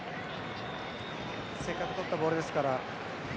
せっかく取ったボールですから。